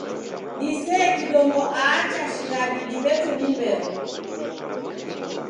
Disee kidombo aa cha shighadi diw'eto ni mbeo